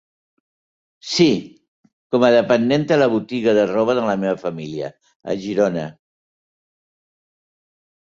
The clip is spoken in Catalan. Sí, com a dependenta a la botiga de robade la meva família, a Girona.